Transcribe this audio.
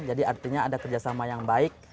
jadi artinya ada kerjasama yang baik